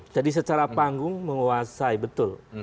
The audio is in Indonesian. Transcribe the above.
jadi secara panggung menguasai betul